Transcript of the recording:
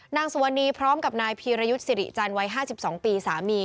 นางสุวรรณีพร้อมกับนายพีรยุทธ์สิริจันทร์วัย๕๒ปีสามี